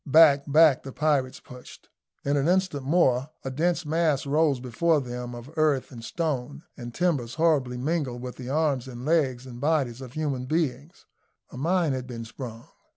Back, back the pirates pushed. In an instant more a dense mass rose before them of earth, and stone, and timbers, horribly mingled with the arms and legs and bodies of human beings; a mine had been sprung.